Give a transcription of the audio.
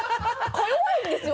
か弱いんですよ